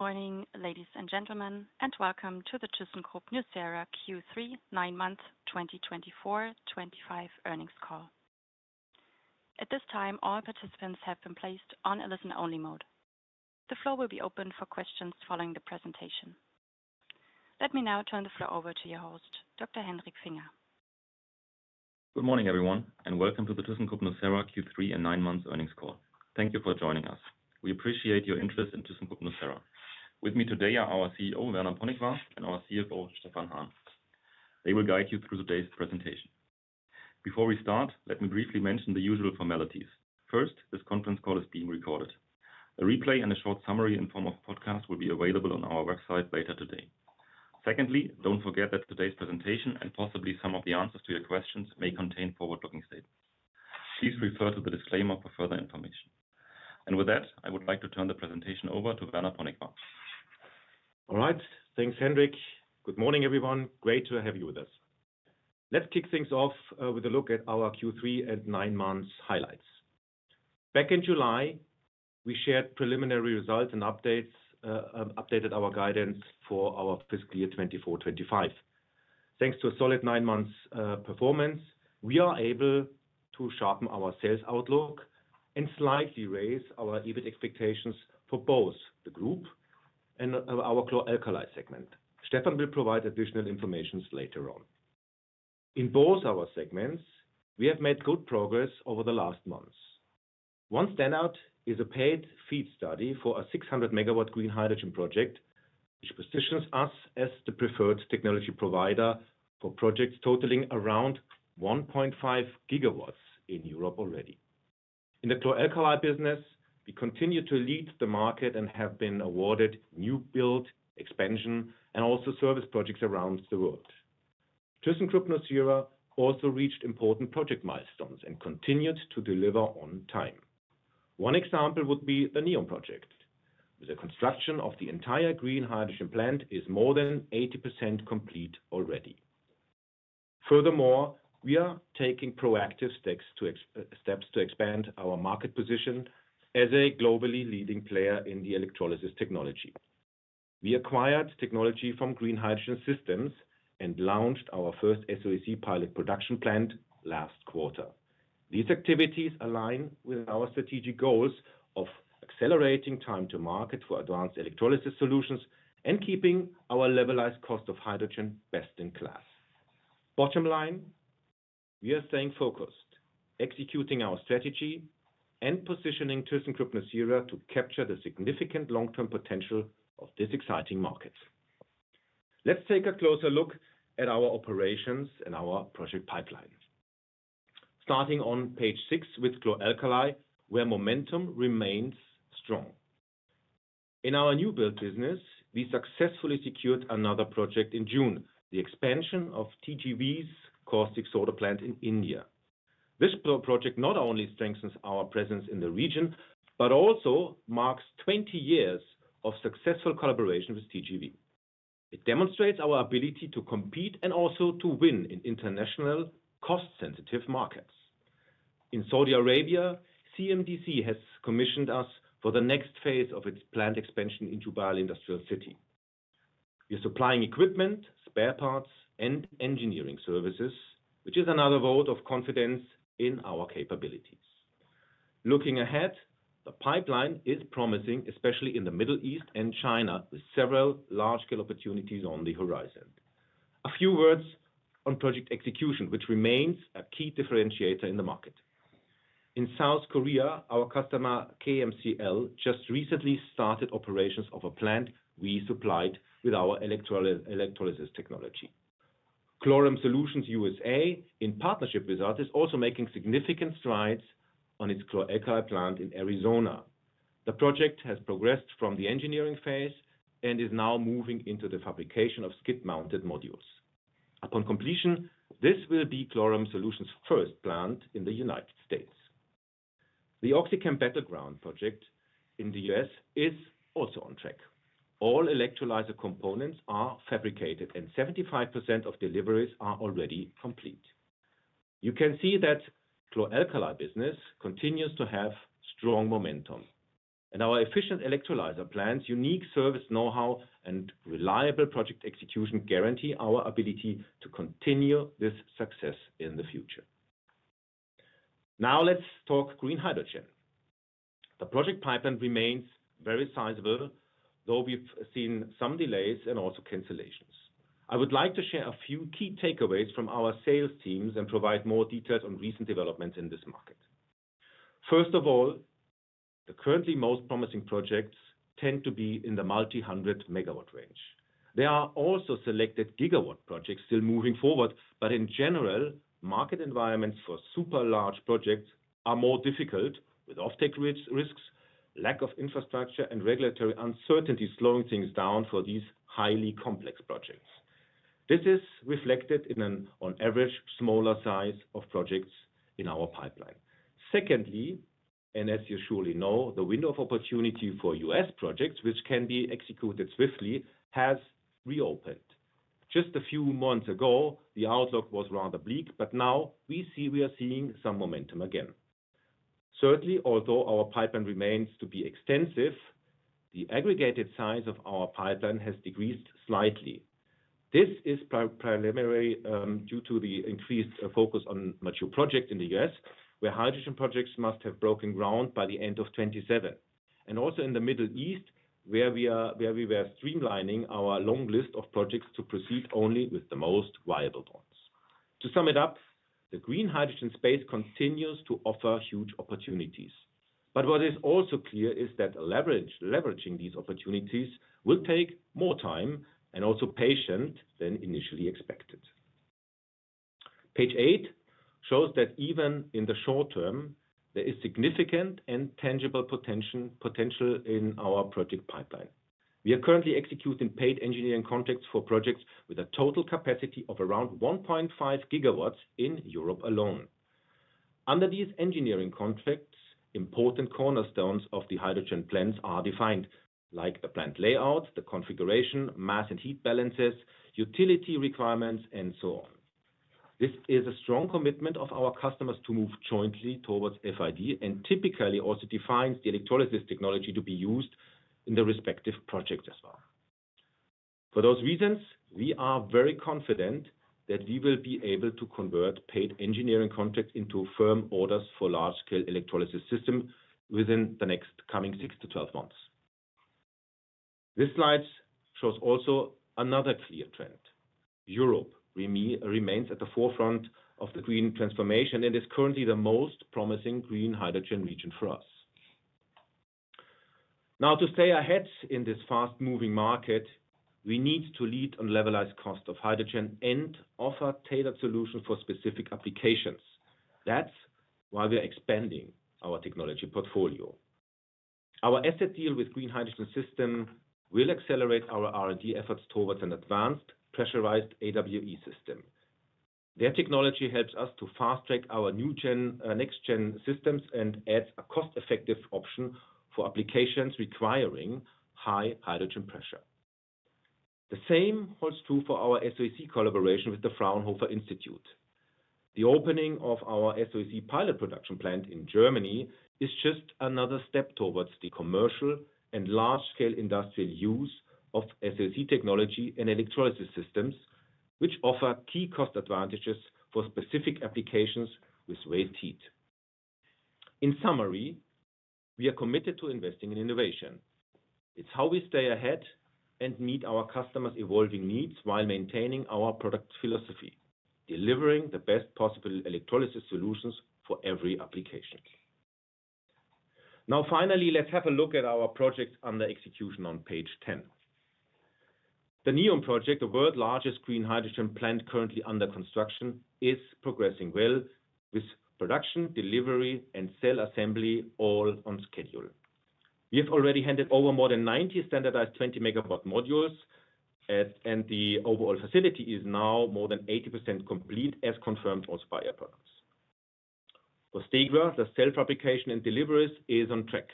Morning, ladies and gentlemen, and welcome to the thyssenkrupp nucera Q3 9-month 2024-2025 Earnings Call. At this time, all participants have been placed on a listen-only mode. The floor will be open for questions following the presentation. Let me now turn the floor over to your host, Dr. Hendrik Finger. Good morning, everyone, and welcome to the thyssenkrupp nucera Q3 and 9-month Earnings Call. Thank you for joining us. We appreciate your interest in thyssenkrupp nucera. With me today are our CEO, Werner Ponikwar, and our CFO, Stefan Hahn. They will guide you through today's presentation. Before we start, let me briefly mention the usual formalities. First, this conference call is being recorded. A replay and a short summary in the form of a podcast will be available on our website later today. Secondly, don't forget that today's presentation and possibly some of the answers to your questions may contain forward-looking statements. Please refer to the disclaimer for further information. I would like to turn the presentation over to Werner Ponikwar. All right. Thanks, Hendrik. Good morning, everyone. Great to have you with us. Let's kick things off with a look at our Q3 and 9-month highlights. Back in July, we shared preliminary results and updated our guidance for our fiscal year 2024/2025. Thanks to a solid 9-month performance, we are able to sharpen our sales outlook and slightly raise our EBIT expectations for both the group and our core alkali segment. Stefan will provide additional information later on. In both our segments, we have made good progress over the last months. One standout is a paid feed study for a 600-MW green hydrogen project, which positions us as the preferred technology provider for projects totaling around 1.5 GW in Europe already. In the core alkali business, we continue to lead the market and have been awarded new build, expansion, and also service projects around the world. thyssenkrupp nucera also reached important project milestones and continued to deliver on time. One example would be the NEOM project. The construction of the entire green hydrogen plant is more than 80% complete already. Furthermore, we are taking proactive steps to expand our market position as a globally leading player in the electrolysis technology. We acquired technology from Green Hydrogen Systems and launched our first SOEC pilot production plant last quarter. These activities align with our strategic goals of accelerating time-to-market for advanced electrolysis solutions and keeping our levelized cost of hydrogen best in class. Bottom line, we are staying focused, executing our strategy, and positioning thyssenkrupp nucera to capture the significant long-term potential of this exciting market. Let's take a closer look at our operations and our project pipeline. Starting on page six with core alkali, where momentum remains strong. In our new build business, we successfully secured another project in June, the expansion of TGV's caustic soda plant in India. This project not only strengthens our presence in the region but also marks 20 years of successful collaboration with TGV. It demonstrates our ability to compete and also to win in international cost-sensitive markets. In Saudi Arabia, CMDC has commissioned us for the next phase of its planned expansion in Dubai Industrial City. We are supplying equipment, spare parts, and engineering services, which is another vote of confidence in our capabilities. Looking ahead, the pipeline is promising, especially in the Middle East and China, with several large-scale opportunities on the horizon. A few words on project execution, which remains a key differentiator in the market. In South Korea, our customer KMCL just recently started operations of a plant we supplied with our electrolysis technology. Chlorum Solutions USA, in partnership with us, is also making significant strides on its core alkali plant in Arizona. The project has progressed from the engineering phase and is now moving into the fabrication of skid-mounted modules. Upon completion, this will be Chlorum Solutions' first plant in the United States. The OxyChem Battleground project in the U.S. is also on track. All electrolyzer components are fabricated, and 75% of deliveries are already complete. You can see that the core alkali business continues to have strong momentum. Our efficient electrolyzer plant's unique service know-how and reliable project execution guarantee our ability to continue this success in the future. Now, let's talk green hydrogen. The project pipeline remains very sizable, though we've seen some delays and also cancellations. I would like to share a few key takeaways from our sales teams and provide more details on recent developments in this market. First of all, the currently most promising projects tend to be in the multi-hundred-megawatt range. There are also selected gigawatt projects still moving forward, but in general, market environments for super-large projects are more difficult, with off-take risks, lack of infrastructure, and regulatory uncertainty slowing things down for these highly complex projects. This is reflected in an, on average, smaller size of projects in our pipeline. Secondly, and as you surely know, the window of opportunity for U.S. projects, which can be executed swiftly, has reopened. Just a few months ago, the outlook was rather bleak, but now we are seeing some momentum again. Thirdly, although our pipeline remains to be extensive, the aggregated size of our pipeline has decreased slightly. This is primarily due to the increased focus on mature projects in the U.S., where hydrogen projects must have broken ground by the end of 2027. Also in the Middle East, we were streamlining our long list of projects to proceed only with the most viable ones. To sum it up, the green hydrogen space continues to offer huge opportunities. What is also clear is that leveraging these opportunities will take more time and also patience than initially expected. Page eight shows that even in the short term, there is significant and tangible potential in our project pipeline. We are currently executing paid engineering contracts for projects with a total capacity of around 1.5 GW in Europe alone. Under these engineering contracts, important cornerstones of the hydrogen plants are defined, like the plant layout, the configuration, mass and heat balances, utility requirements, and so on. This is a strong commitment of our customers to move jointly towards FID and typically also defines the electrolysis technology to be used in the respective projects as well. For those reasons, we are very confident that we will be able to convert paid engineering contracts into firm orders for large-scale electrolysis systems within the next coming six months to 12 months. This slide shows also another clear trend. Europe remains at the forefront of the green transformation and is currently the most promising green hydrogen region for us. Now, to stay ahead in this fast-moving market, we need to lead on levelized cost of hydrogen and offer tailored solutions for specific applications. That's why we are expanding our technology portfolio. Our asset deal with Green Hydrogen Systems will accelerate our R&D efforts towards an advanced pressurized AWE system. Their technology helps us to fast-track our next-gen systems and adds a cost-effective option for applications requiring high hydrogen pressure. The same holds true for our SOEC collaboration with the Fraunhofer Institute. The opening of our SOEC pilot production plant in Germany is just another step towards the commercial and large-scale industrial use of SOEC technology and electrolysis systems, which offer key cost advantages for specific applications with great heat. In summary, we are committed to investing in innovation. It's how we stay ahead and meet our customers' evolving needs while maintaining our product philosophy, delivering the best possible electrolysis solutions for every application. Now, finally, let's have a look at our projects under execution on page 10. The NEOM project, the world's largest green hydrogen plant currently under construction, is progressing well, with production, delivery, and cell assembly all on schedule. We have already handed over more than 90 standardized 20-MW modules, and the overall facility is now more than 80% complete, as confirmed also by our products. For Stegra, the cell fabrication and deliveries are on track.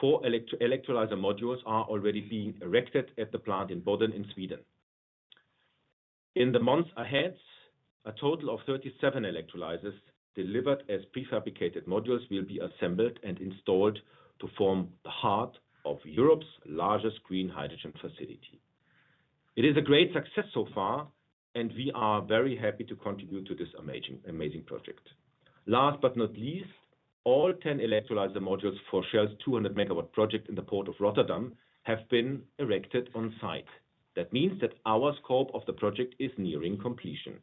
Four electrolyzer modules are already being erected at the plant in Boden in Sweden. In the months ahead, a total of 37 electrolyzers delivered as prefabricated modules will be assembled and installed to form the heart of Europe's largest green hydrogen facility. It is a great success so far, and we are very happy to contribute to this amazing project. Last but not least, all 10 electrolyzer modules for Shell's 200-MW project in the port of Rotterdam have been erected on site. That means that our scope of the project is nearing completion.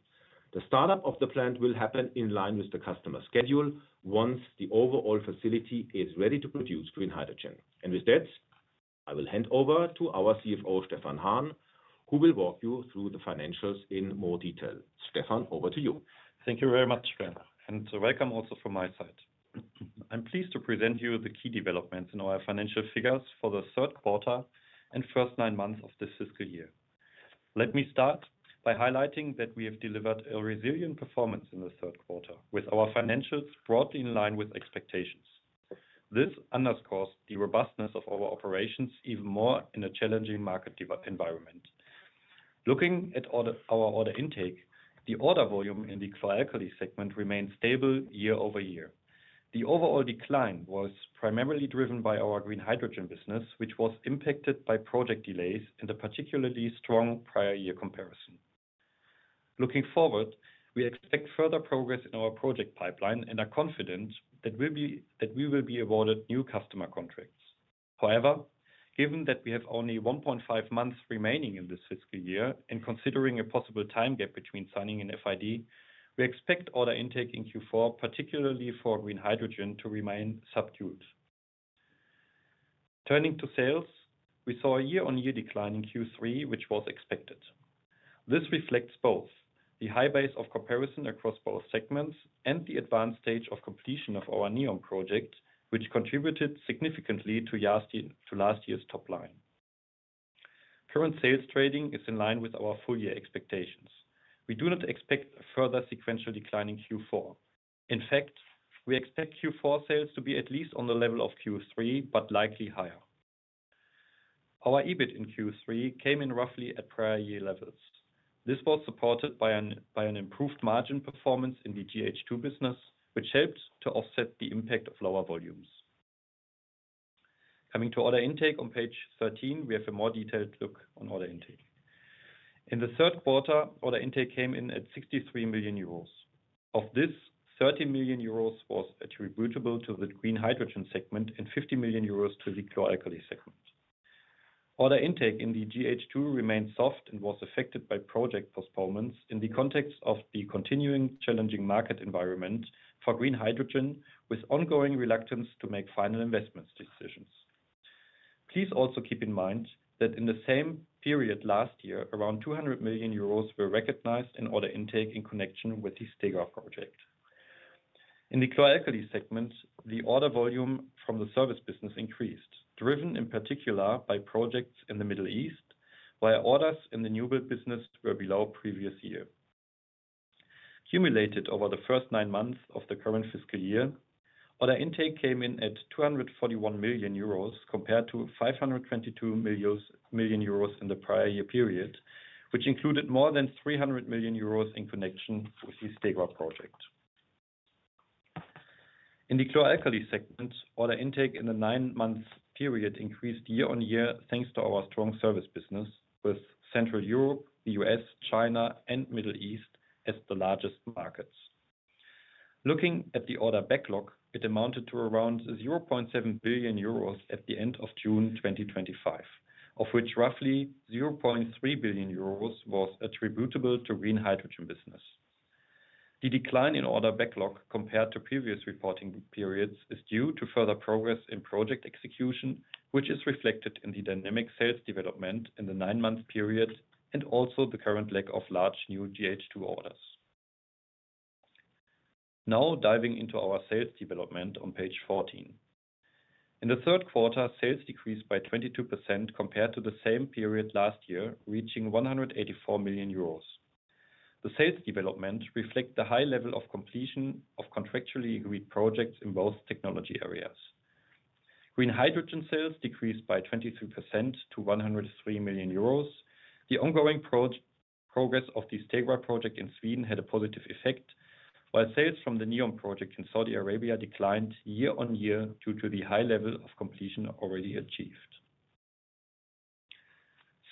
The startup of the plant will happen in line with the customer schedule once the overall facility is ready to produce green hydrogen. With that, I will hand over to our CFO, Stefan Hahn, who will walk you through the financials in more detail. Stefan, over to you. Thank you very much, Werner, and welcome also from my side. I'm pleased to present you the key developments in our financial figures for the third quarter and first nine months of this fiscal year. Let me start by highlighting that we have delivered a resilient performance in the third quarter, with our financials broadly in line with expectations. This underscores the robustness of our operations even more in a challenging market environment. Looking at our order intake, the order volume in the core alkali segment remains stable year-over-year. The overall decline was primarily driven by our green hydrogen business, which was impacted by project delays and a particularly strong prior-year comparison. Looking forward, we expect further progress in our project pipeline and are confident that we will be awarded new customer contracts. However, given that we have only 1.5 months remaining in this fiscal year and considering a possible time gap between signing an FID, we expect order intake in Q4, particularly for green hydrogen, to remain subdued. Turning to sales, we saw a year-on-year decline in Q3, which was expected. This reflects both the high base of comparison across both segments and the advanced stage of completion of our NEOM project, which contributed significantly to last year's top line. Current sales trading is in line with our full-year expectations. We do not expect a further sequential decline in Q4. In fact, we expect Q4 sales to be at least on the level of Q3, but likely higher. Our EBIT in Q3 came in roughly at prior-year levels. This was supported by an improved margin performance in the GH2 business, which helped to offset the impact of lower volumes. Coming to order intake on page 13, we have a more detailed look on order intake. In the third quarter, order intake came in at 63 million euros. Of this, 30 million euros was attributable to the green hydrogen segment and 50 million euros to the core alkali segment. Order intake in the green hydrogen segment remains soft and was affected by project postponements in the context of the continuing challenging market environment for green hydrogen, with ongoing reluctance to make final investment decisions. Please also keep in mind that in the same period last year, around 200 million euros were recognized in order intake in connection with the Stegra project. In the core alkali segment, the order volume from the service business increased, driven in particular by projects in the Middle East, where orders in the new build business were below the previous year. Cumulated over the first nine months of the current fiscal year, order intake came in at 241 million euros compared to 522 million in the prior-year period, which included more than 300 million euros in connection with the Stegra project. In the core alkali segment, order intake in the nine-month period increased year-on-year thanks to our strong service business, with Central Europe, the U.S., China, and Middle East as the largest markets. Looking at the order backlog, it amounted to around 0.7 billion euros at the end of June 2025, of which roughly 0.3 billion euros was attributable to the green hydrogen business. The decline in order backlog compared to previous reporting periods is due to further progress in project execution, which is reflected in the dynamic sales development in the nine-month period and also the current lack of large new GH2 orders. Now diving into our sales development on page 14. In the third quarter, sales decreased by 22% compared to the same period last year, reaching 184 million euros. The sales development reflects the high level of completion of contractually agreed projects in both technology areas. Green hydrogen sales decreased by 23% to 103 million euros. The ongoing progress of the Stegra project in Sweden had a positive effect, while sales from the NEOM project in Saudi Arabia declined year-on-year due to the high level of completion already achieved.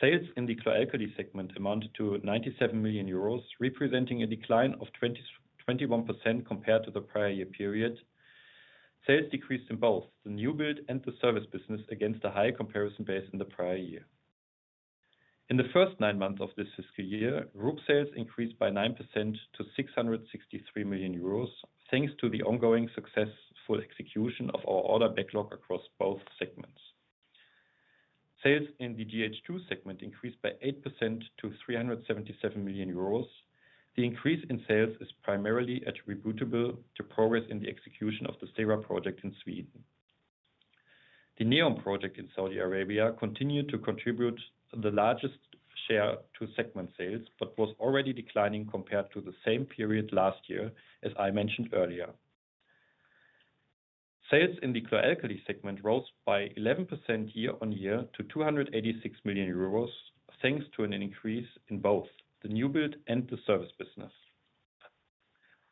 Sales in the core alkali segment amounted to 97 million euros, representing a decline of 21% compared to the prior-year period. Sales decreased in both the new build and the service business against a high comparison base in the prior year. In the first nine months of this fiscal year, group sales increased by 9% to 663 million euros, thanks to the ongoing successful execution of our order backlog across both segments. Sales in the GH2 segment increased by 8% to 377 million euros. The increase in sales is primarily attributable to progress in the execution of the Stegra project in Sweden. The NEOM project in Saudi Arabia continued to contribute the largest share to segment sales but was already declining compared to the same period last year, as I mentioned earlier. Sales in the core alkali segment rose by 11% year-on-year to 286 million euros, thanks to an increase in both the new build and the service business.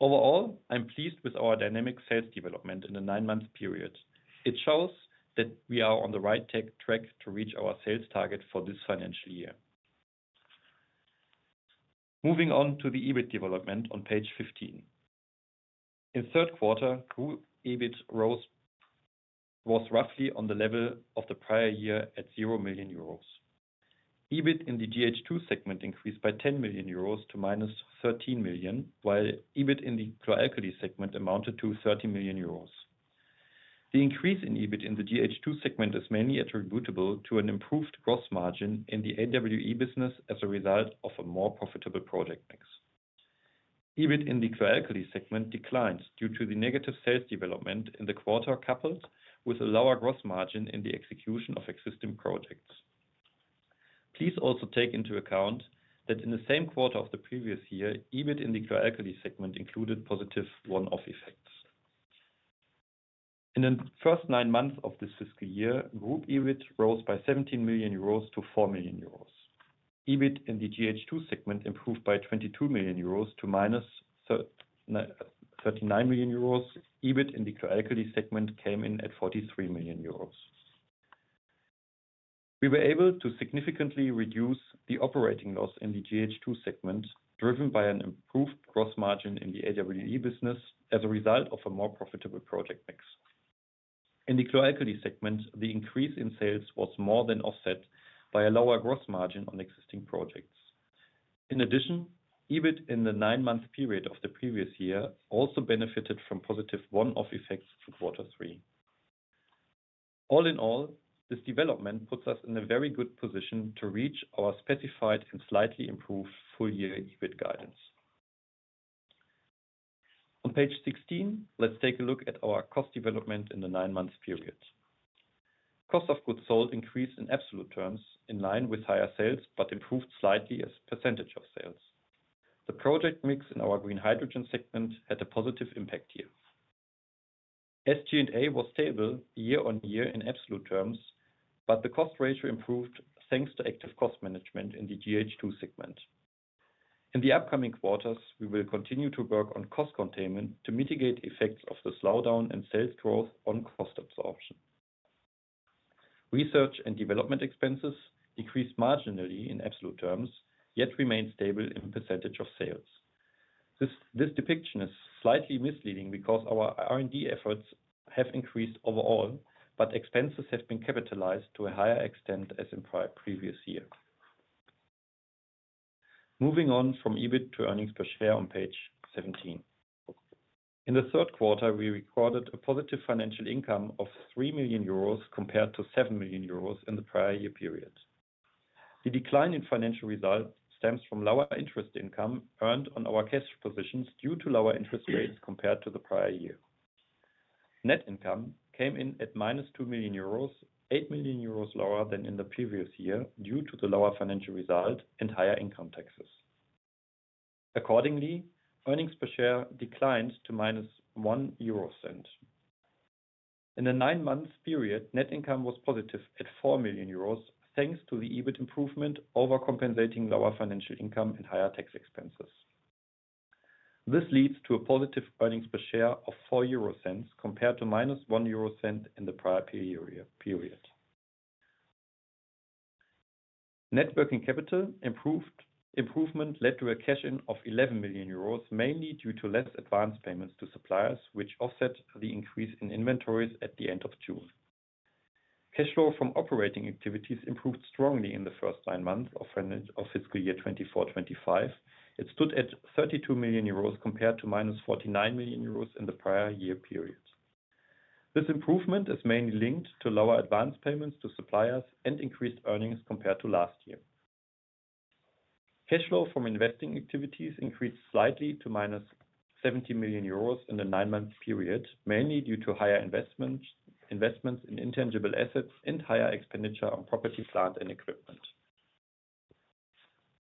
Overall, I'm pleased with our dynamic sales development in the nine-month period. It shows that we are on the right track to reach our sales target for this financial year. Moving on to the EBIT development on page 15. In the third quarter, group EBIT was roughly on the level of the prior year at 0 million euros. EBIT in the GH2 segment increased by 10 million euros to -13 million, while EBIT in the core alkali segment amounted to 30 million euros. The increase in EBIT in the GH2 segment is mainly attributable to an improved gross margin in the AWE business as a result of a more profitable project mix. EBIT in the core alkali segment declined due to the negative sales development in the quarter, coupled with a lower gross margin in the execution of existing projects. Please also take into account that in the same quarter of the previous year, EBIT in the core alkali segment included positive one-off effects. In the first nine months of this fiscal year, group EBIT rose by 17 million euros to 4 million euros. EBIT in the GH2 segment improved by 22 million euros to -39 million euros. EBIT in the core alkali segment came in at 43 million euros. We were able to significantly reduce the operating loss in the GH2 segment, driven by an improved gross margin in the AWE business as a result of a more profitable project mix. In the core alkali segment, the increase in sales was more than offset by a lower gross margin on existing projects. In addition, EBIT in the nine-month period of the previous year also benefited from positive one-off effects for quarter three. All in all, this development puts us in a very good position to reach our specified and slightly improved full-year EBIT guidance. On page 16, let's take a look at our cost development in the nine-month period. Cost of goods sold increased in absolute terms in line with higher sales but improved slightly as a percentage of sales. The project mix in our green hydrogen segment had a positive impact here. SG&A was stable year-on-year in absolute terms, but the cost ratio improved thanks to active cost management in the GH2 segment. In the upcoming quarters, we will continue to work on cost containment to mitigate the effects of the slowdown in sales growth on cost absorption. Research and development expenses decreased marginally in absolute terms, yet remained stable in percentage of sales. This depiction is slightly misleading because our R&D efforts have increased overall, but expenses have been capitalized to a higher extent as in previous years. Moving on from EBIT to earnings per share on page 17. In the third quarter, we recorded a positive financial income of 3 million euros compared to 7 million euros in the prior year period. The decline in financial results stems from lower interest income earned on our cash positions due to lower interest rates compared to the prior year. Net income came in at minus 2 million euros, 8 million euros lower than in the previous year due to the lower financial result and higher income taxes. Accordingly, earnings per share declined to minus 0.01. In the nine-month period, net income was positive at 4 million euros thanks to the EBIT improvement overcompensating lower financial income and higher tax expenses. This leads to a positive earnings per share of 0.04 compared to minus 0.01 in the prior period. Networking capital improvement led to a cash in of 11 million euros, mainly due to less advanced payments to suppliers, which offset the increase in inventories at the end of June. Cash flow from operating activities improved strongly in the first nine months of fiscal year 2024/2025. It stood at 32 million euros compared to -49 million euros in the prior year period. This improvement is mainly linked to lower advanced payments to suppliers and increased earnings compared to last year. Cash flow from investing activities increased slightly to -70 million euros in the nine-month period, mainly due to higher investments in intangible assets and higher expenditure on property, plant, and equipment.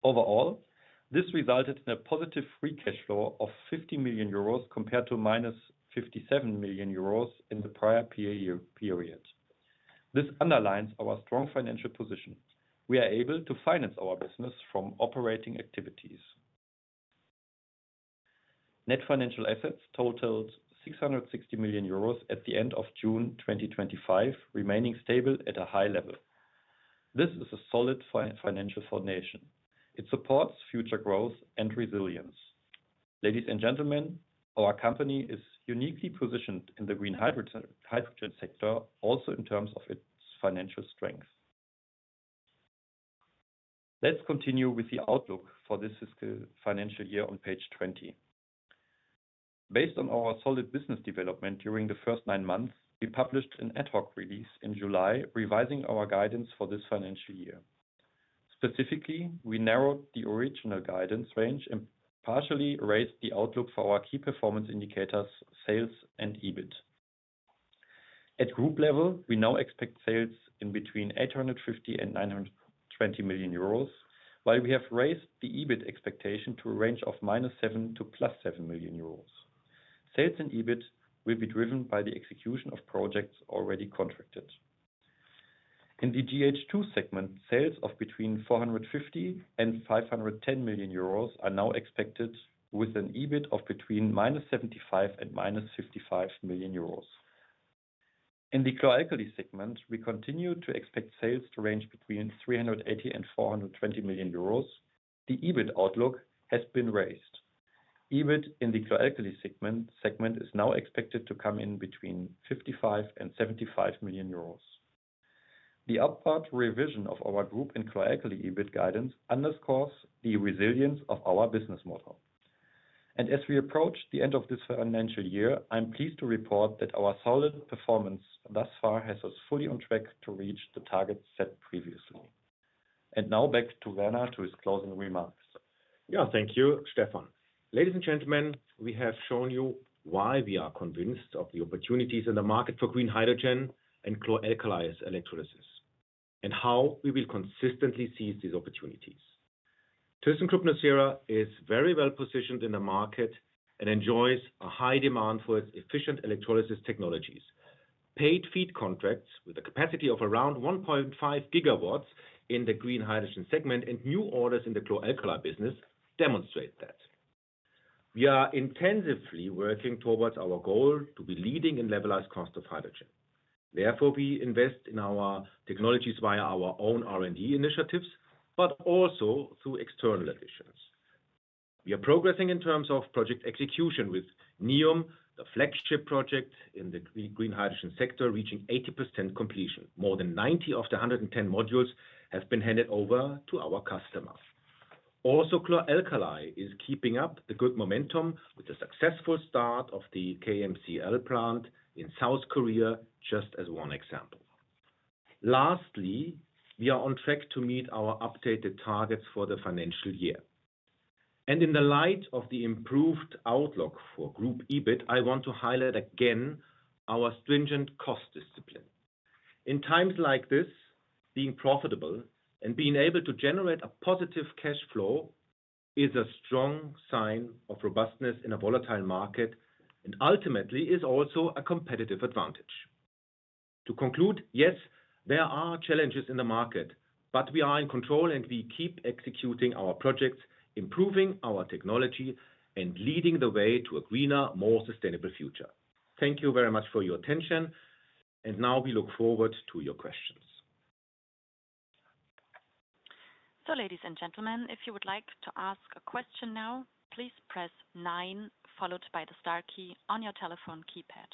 Overall, this resulted in a positive free cash flow of 50 million euros compared to -57 million euros in the prior year period. This underlines our strong financial position. We are able to finance our business from operating activities. Net financial assets totaled 660 million euros at the end of June 2025, remaining stable at a high level. This is a solid financial foundation. It supports future growth and resilience. Ladies and gentlemen, our company is uniquely positioned in the green hydrogen sector, also in terms of its financial strength. Let's continue with the outlook for this fiscal financial year on page 20. Based on our solid business development during the first nine months, we published an ad hoc release in July, revising our guidance for this financial year. Specifically, we narrowed the original guidance range and partially raised the outlook for our key performance indicators, sales and EBIT. At group level, we now expect sales in between 850 million and 920 million euros, while we have raised the EBIT expectation to a range of -7 million euros to +EUR 7 million. Sales and EBIT will be driven by the execution of projects already contracted. In the green hydrogen segment, sales of between 450 million and 510 million euros are now expected, with an EBIT of between -75 million and -55 million euros. In the core alkali segment, we continue to expect sales to range between 380 million and 420 million euros. The EBIT outlook has been raised. EBIT in the core alkali segment is now expected to come in between 55 million and 75 million euros. The upward revision of our group and core alkali EBIT guidance underscores the resilience of our business model. As we approach the end of this financial year, I'm pleased to report that our solid performance thus far has us fully on track to reach the targets set previously. Now back to Werner for his closing remarks. Yeah, thank you, Stefan. Ladies and gentlemen, we have shown you why we are convinced of the opportunities in the market for green hydrogen and core alkali electrolysis and how we will consistently seize these opportunities. thyssenkrupp nucera is very well positioned in the market and enjoys a high demand for its efficient electrolysis technologies. Paid feed contracts with a capacity of around 1.5 GW in the green hydrogen segment and new orders in the core alkali business demonstrate that. We are intensively working towards our goal to be leading in levelized cost of hydrogen. Therefore, we invest in our technologies via our own R&D initiatives, but also through external additions. We are progressing in terms of project execution with NEOM, the flagship project in the green hydrogen sector, reaching 80% completion. More than 90 of the 110 modules have been handed over to our customers. Also, core alkali is keeping up the good momentum with the successful start of the KMCL plant in South Korea, just as one example. Lastly, we are on track to meet our updated targets for the financial year. In the light of the improved outlook for group EBIT, I want to highlight again our stringent cost discipline. In times like this, being profitable and being able to generate a positive cash flow is a strong sign of robustness in a volatile market and ultimately is also a competitive advantage. To conclude, yes, there are challenges in the market, but we are in control and we keep executing our projects, improving our technology, and leading the way to a greener, more sustainable future. Thank you very much for your attention, and now we look forward to your questions. Ladies and gentlemen, if you would like to ask a question now, please press nine, followed by the star key on your telephone keypad.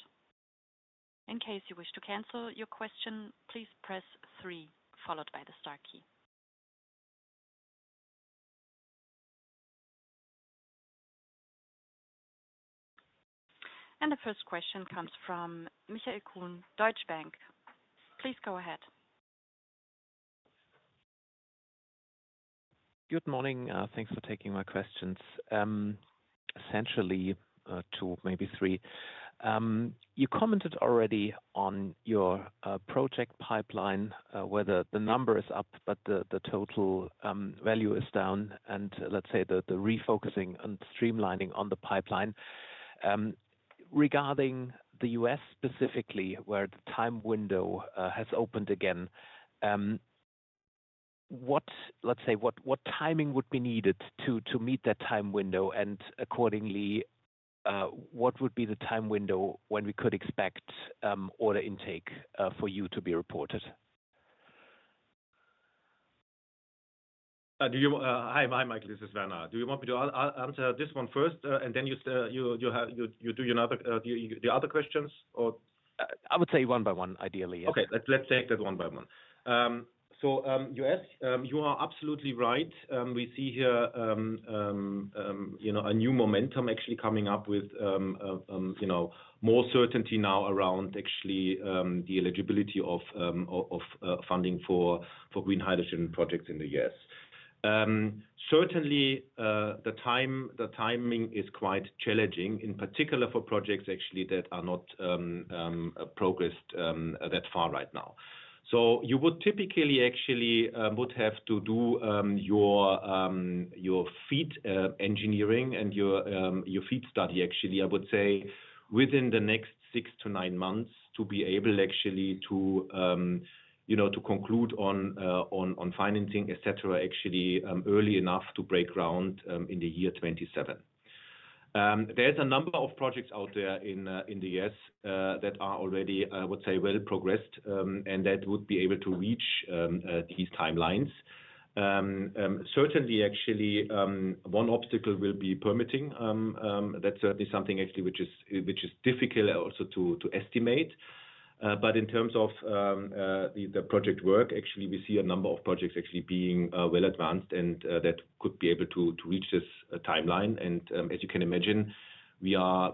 In case you wish to cancel your question, please press three, followed by the star key. The first question comes from Michael Kuhn, Deutsche Bank. Please go ahead. Good morning. Thanks for taking my questions. Essentially, two, maybe three. You commented already on your project pipeline, whether the number is up but the total value is down, and let's say the refocusing and streamlining on the pipeline. Regarding the U.S. specifically, where the time window has opened again, let's say what timing would be needed to meet that time window and accordingly, what would be the time window when we could expect order intake for you to be reported? Hi, Mike. This is Werner. Do you want me to answer this one first, and then you do your other questions? I would say one by one, ideally. Okay. Let's take that one by one. You are absolutely right. We see here a new momentum actually coming up with more certainty now around the eligibility of funding for green hydrogen projects in the U.S. Certainly, the timing is quite challenging, in particular for projects that are not progressed that far right now. You would typically have to do your FEED engineering and your FEED study within the next six to nine months to be able to conclude on financing, etc., early enough to break ground in the year 2027. There's a number of projects out there in the U.S. that are already, I would say, well progressed and that would be able to reach these timelines. Certainly, one obstacle will be permitting. That's something which is difficult also to estimate. In terms of the project work, we see a number of projects being well advanced and that could be able to reach this timeline. As you can imagine, we are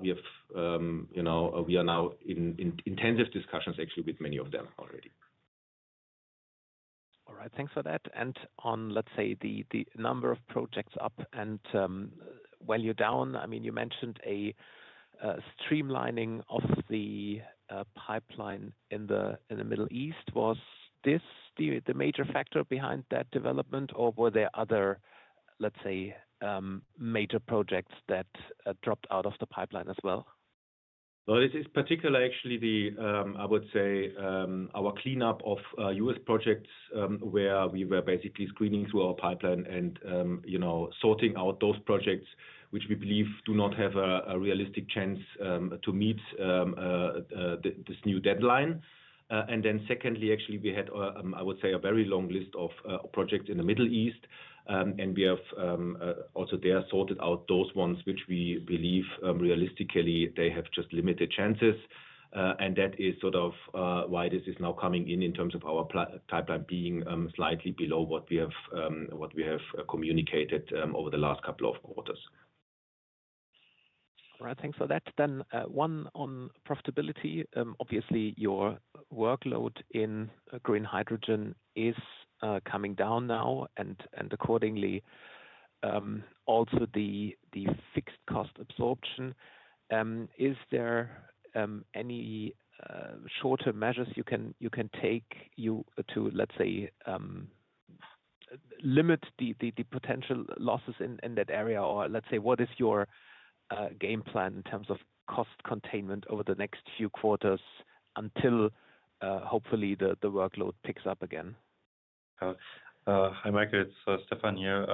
now in intensive discussions with many of them already. All right. Thanks for that. On the number of projects up and value down, you mentioned a streamlining of the pipeline in the Middle East. Was this the major factor behind that development, or were there other major projects that dropped out of the pipeline as well? This is particularly actually the, I would say, our cleanup of U.S. projects where we were basically screening through our pipeline and sorting out those projects which we believe do not have a realistic chance to meet this new deadline. Secondly, actually, we had, I would say, a very long list of projects in the Middle East, and we have also there sorted out those ones which we believe realistically they have just limited chances. That is sort of why this is now coming in in terms of our pipeline being slightly below what we have communicated over the last couple of quarters. All right. Thanks for that. One on profitability. Obviously, your workload in green hydrogen is coming down now, and accordingly, also the fixed cost absorption. Is there any shorter measures you can take to, let's say, limit the potential losses in that area? Or, let's say, what is your game plan in terms of cost containment over the next few quarters until hopefully the workload picks up again? Hi, Michael. It's Stefan here.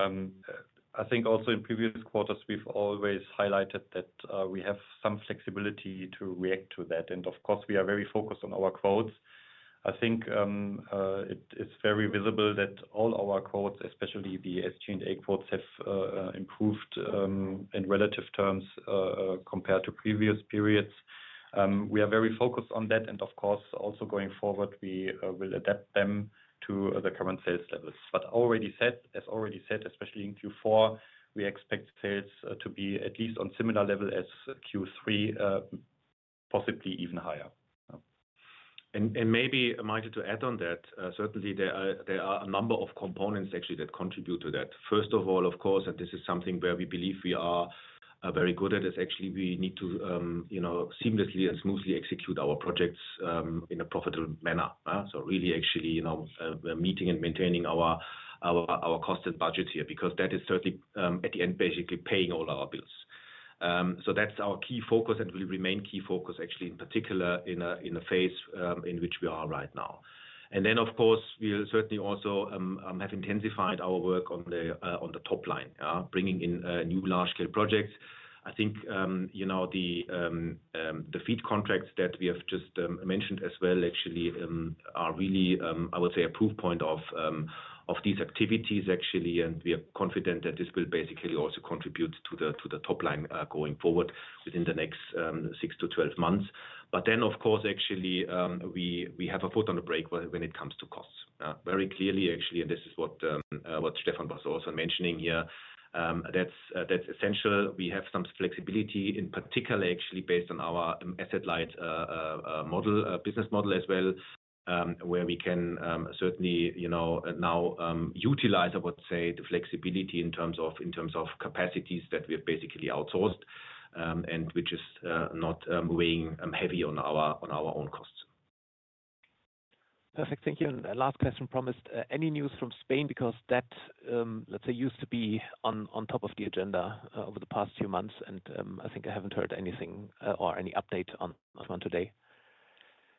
I think also in previous quarters, we've always highlighted that we have some flexibility to react to that. Of course, we are very focused on our quotes. I think it is very visible that all our quotes, especially the SG&A quotes, have improved in relative terms compared to previous periods. We are very focused on that. Of course, also going forward, we will adapt them to the current sales levels. As already said, especially in Q4, we expect sales to be at least on a similar level as Q3, possibly even higher. Maybe, Michael, to add on that, certainly, there are a number of components that contribute to that. First of all, of course, and this is something where we believe we are very good at, is we need to seamlessly and smoothly execute our projects in a profitable manner. Really, meeting and maintaining our cost and budget here, because that is certainly, at the end, basically paying all our bills. That's our key focus and will remain key focus, in particular, in a phase in which we are right now. Of course, we'll certainly also have intensified our work on the top line, bringing in new large-scale projects. I think the feed contracts that we have just mentioned as well are really, I would say, a proof point of these activities. We are confident that this will also contribute to the top line going forward within the next six months to 12 months. Of course, we have a foot on the brake when it comes to costs. Very clearly, and this is what Stefan was also mentioning here, that's essential. We have some flexibility, in particular, based on our asset-light business model as well, where we can certainly now utilize the flexibility in terms of capacities that we have outsourced and which is not weighing heavy on our own costs. Perfect. Thank you. Last question, promised. Any news from Spain? Because that, let's say, used to be on top of the agenda over the past few months, and I think I haven't heard anything or any update on that one today.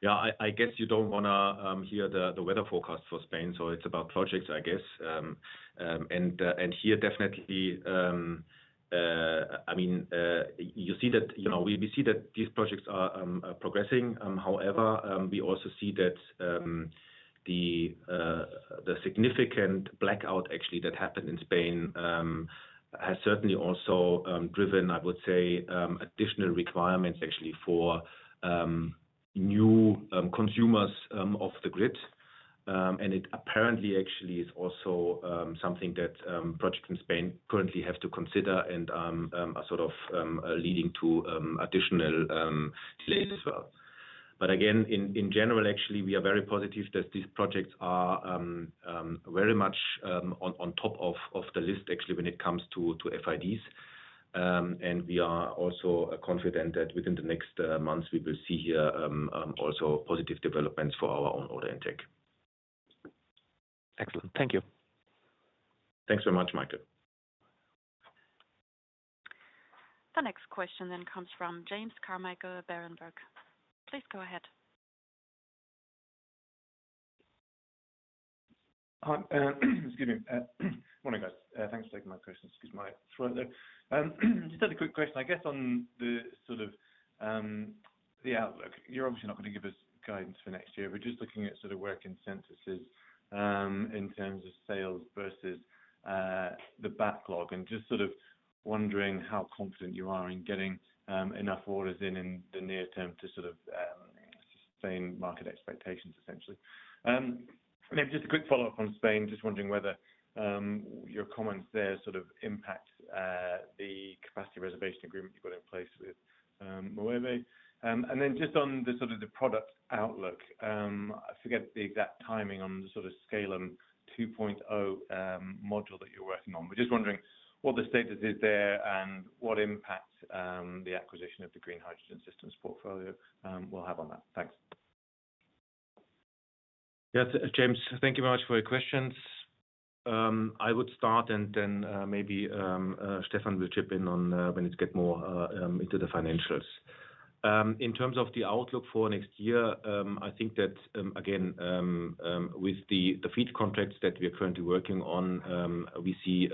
I guess you don't want to hear the weather forecast for Spain. It's about projects, I guess. Here, definitely, you see that we see these projects are progressing. However, we also see that the significant blackout that happened in Spain has certainly also driven additional requirements for new consumers off the grid. It apparently is also something that projects in Spain currently have to consider and are leading to additional delays as well. Again, in general, we are very positive that these projects are very much on top of the list when it comes to FIDs. We are also confident that within the next months, we will see here also positive developments for our own order intake. Excellent. Thank you. Thanks very much, Michael. The next question then comes from James Carmichael, Berenberg. Please go ahead. Excuse me. Morning, guys. Thanks for taking my question. Excuse my throat there. Just had a quick question, I guess, on the sort of the outlook. You're obviously not going to give us guidance for next year, but just looking at sort of work incentives in terms of sales versus the backlog and just sort of wondering how confident you are in getting enough orders in in the near term to sort of sustain market expectations, essentially. Maybe just a quick follow-up on Spain. Just wondering whether your comments there sort of impact the capacity reservation agreement you've got in place with Moeve. Then just on the sort of the product outlook, I forget the exact timing on the sort of scale and 2.0 module that you're working on. We're just wondering what the status is there and what impact the acquisition of the Green Hydrogen Systems portfolio will have on that. Thanks. Yes, James, thank you very much for your questions. I would start and then maybe Stefan will chip in when it gets more into the financials. In terms of the outlook for next year, I think that, again, with the feed contracts that we are currently working on, we see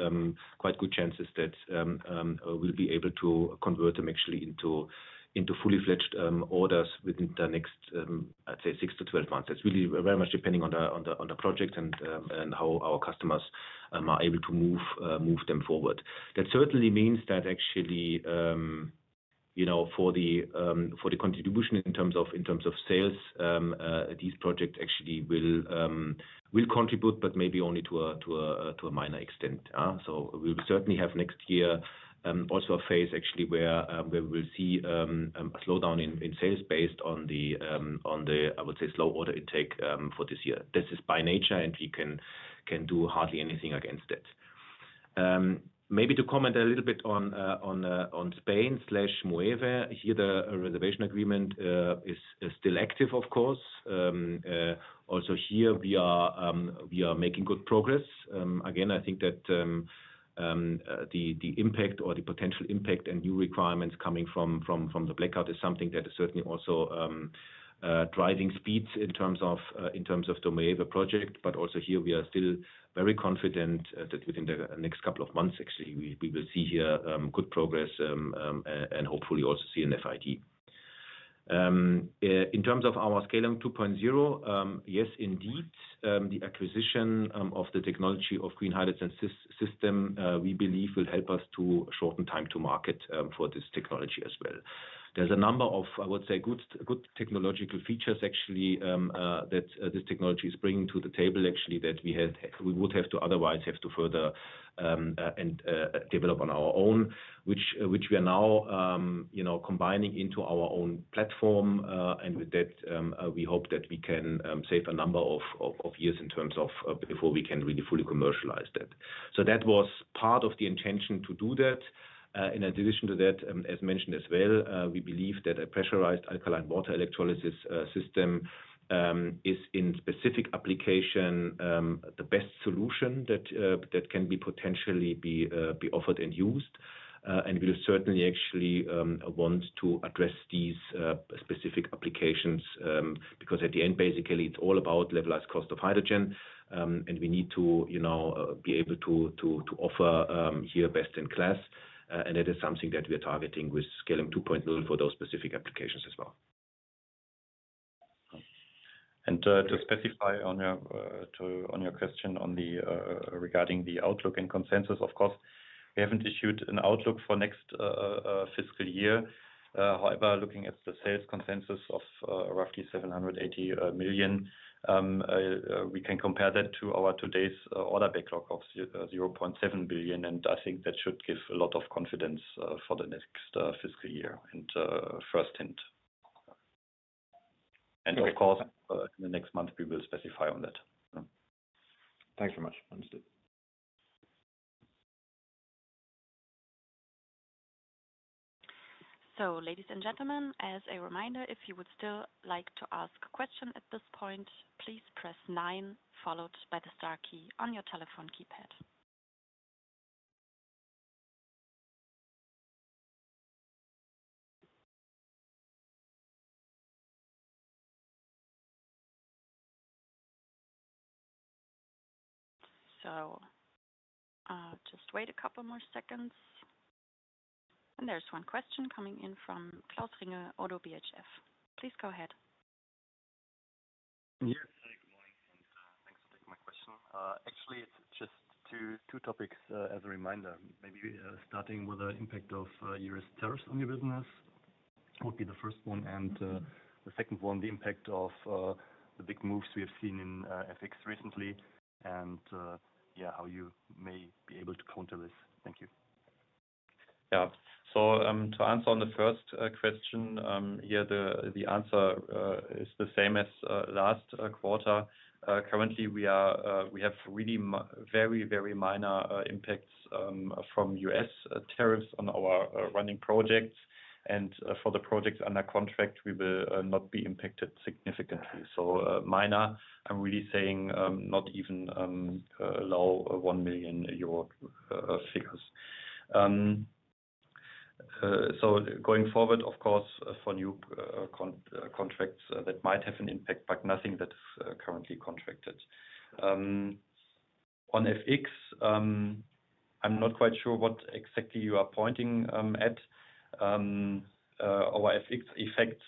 quite good chances that we'll be able to convert them actually into fully fledged orders within the next, I'd say, six months to 12 months. That's really very much depending on the project and how our customers are able to move them forward. That certainly means that actually, you know, for the contribution in terms of sales, these projects actually will contribute, but maybe only to a minor extent. We will certainly have next year also a phase actually where we will see a slowdown in sales based on the, I would say, slow order intake for this year. This is by nature, and we can do hardly anything against it. Maybe to comment a little bit on Spain slash Moeve, here, the reservation agreement is still active, of course. Also here, we are making good progress. I think that the impact or the potential impact and new requirements coming from the blackout is something that is certainly also driving speeds in terms of the Moeve project. Also here, we are still very confident that within the next couple of months, actually, we will see here good progress and hopefully also see an FID in terms of our scaling 2.0. Yes, indeed. The acquisition of the technology of Green Hydrogen Systems we believe will help us to shorten time to market for this technology as well. There's a number of, I would say, good technological features actually that this technology is bringing to the table actually that we would have to otherwise have to further develop on our own, which we are now combining into our own platform. With that, we hope that we can save a number of years in terms of before we can really fully commercialize that. That was part of the intention to do that. In addition to that, as mentioned as well, we believe that a pressurized alkaline water electrolysis system is in specific application the best solution that can be potentially offered and used. We will certainly actually want to address these specific applications because at the end, basically, it's all about levelized cost of hydrogen. We need to be able to offer here best in class. That is something that we are targeting with scaling 2.0 for those specific applications as well. To specify on your question regarding the outlook and consensus, of course, we haven't issued an outlook for next fiscal year. However, looking at the sales consensus of roughly 780 million, we can compare that to our today's order backlog of 0.7 billion. I think that should give a lot of confidence for the next fiscal year and first hint. Of course, in the next month, we will specify on that. Thanks very much. Understood. Ladies and gentlemen, as a reminder, if you would still like to ask a question at this point, please press nine, followed by the star key on your telephone keypad. Please wait a couple more seconds. There's one question coming in from Klaus Ringel, Oddo BHF. Please go ahead. Yes. Hi, good morning. Thanks for taking my question. Actually, it's just two topics as a reminder. Maybe starting with the impact of U.S. tariffs on your business would be the first one. The second one, the impact of the big moves we have seen in FX recently and, yeah, how you may be able to counter this. Thank you. To answer on the first question, the answer is the same as last quarter. Currently, we have really very, very minor impacts from U.S. tariffs on our running projects. For the projects under contract, we will not be impacted significantly. By minor, I'm really saying not even low EUR 1 million figures. Going forward, of course, for new contracts that might have an impact, but nothing that is currently contracted. On FX, I'm not quite sure what exactly you are pointing at. Our FX effects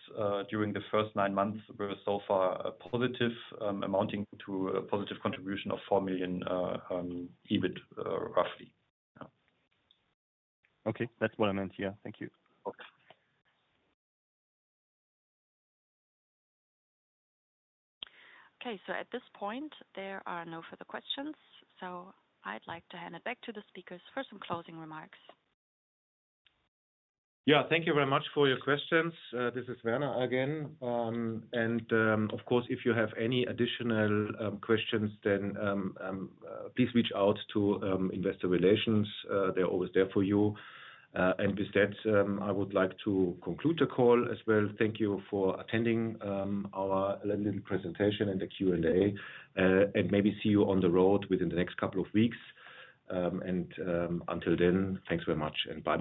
during the first nine months were so far positive, amounting to a positive contribution of 4 million EBIT, roughly. Okay, that's what I meant here. Thank you. At this point, there are no further questions. I'd like to hand it back to the speakers for some closing remarks. Thank you very much for your questions. This is Werner again. Of course, if you have any additional questions, then please reach out to Investor Relations. They're always there for you. With that, I would like to conclude the call as well. Thank you for attending our earnings presentation and the Q&A. Maybe see you on the road within the next couple of weeks. Until then, thanks very much and bye.